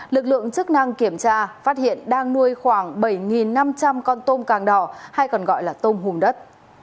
lực lượng chức năng kiểm tra phát hiện đang nuôi khoảng bảy năm trăm linh con tôm càng đỏ hay còn gọi là tôm hùm đất